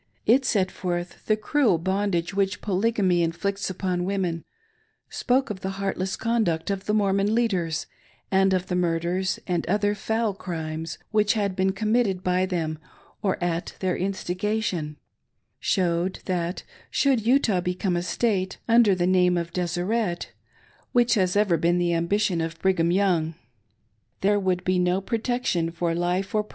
It set forth the cruel bondage which Polygamy inflicts upon women ; spoke of the heartless conduct of the Mormon leaders, and of the murders and other foul crimes which had been committed by them or at their instigation; showed that, should Utah become a State, under the name of Deseret,— which has ever been the ambition of Brighara Young, — there would be no protection for life or THE MARRIAGE OF CHILDREN LEGALISED !